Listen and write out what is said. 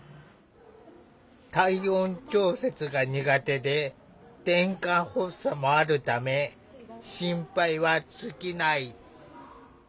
体温調節が苦手でてんかん発作もあるため心配は尽きない。